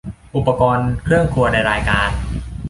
อุปกรณ์เครื่องครัวในรายการ